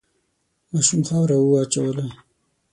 ماشوم خاوره وواچوله.